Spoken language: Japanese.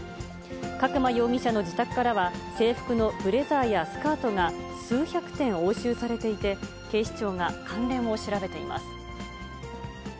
角間容疑者の自宅からは、制服のブレザーやスカートが数百点押収されていて、警視庁が関連を調べています。